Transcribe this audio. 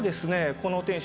この天守